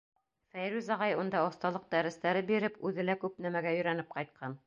Фәйрүз ағай унда оҫталыҡ дәрестәре биреп, үҙе лә күп нәмәгә өйрәнеп ҡайтҡан.